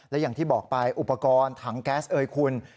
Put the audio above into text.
และอย่างที่บอกไปอุปกรณ์ถังแก๊สเอยคุณ